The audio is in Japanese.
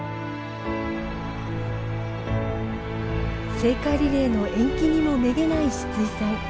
聖火リレーの延期にもめげないシツイさん。